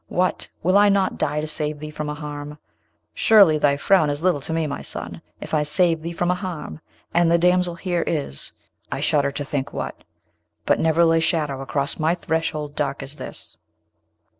What! will I not die to save thee from a harm? Surely thy frown is little to me, my son, if I save thee from a harm; and the damsel here is I shudder to think what; but never lay shadow across my threshold dark as this!'